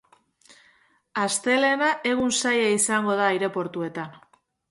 Astelehena egun zaila izango da aireportuetan.